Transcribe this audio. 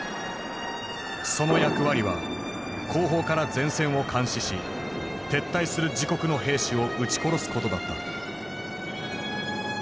その役割は後方から前線を監視し撤退する自国の兵士を撃ち殺すことだった。